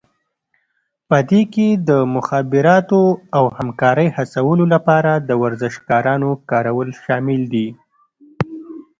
په دې کې د مخابراتو او همکارۍ هڅولو لپاره د ورزشکارانو کارول شامل دي